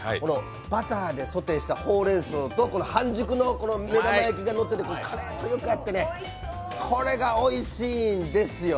バターでソテーしたほうれんそうと半熟の目玉焼きがのっててカレーとよく合ってこれがおいしいんですよ。